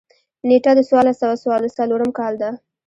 نېټه د څوارلس سوه څلورم کال ده.